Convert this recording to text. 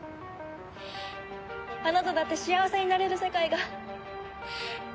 あなただって幸せになれる世界がきっと！